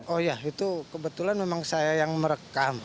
oh ya itu kebetulan memang saya yang merekam